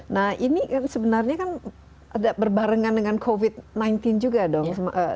nah ini sebenarnya kan ada berbarengan dengan covid sembilan belas juga dong